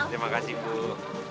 terima kasih bu